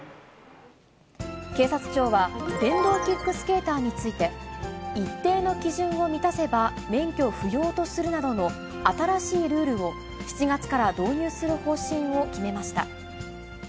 警察庁は、電動キックスケーターについて、一定の基準を満たせば、免許不要とするなどの新しいルールを、７月から導入する方針を決めました。